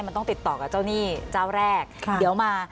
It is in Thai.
มันต้องติดต่อกับเจ้าหนี้เจ้าแรกเดี๋ยวมา